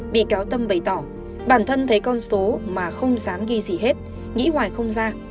bị cáo tâm bày tỏ bản thân thấy con số mà không dám ghi gì hết nghĩ hoài không ra